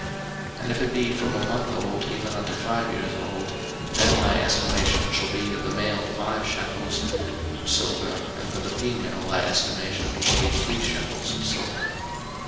03:027:006 And if it be from a month old even unto five years old, then thy estimation shall be of the male five shekels of silver, and for the female thy estimation shall be three shekels of silver.